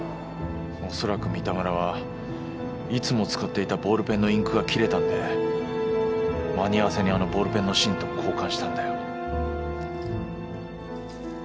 おそらく三田村はいつも使っていたボールペンのインクが切れたんで間に合わせにあのボールペンの芯と交換したんだよ。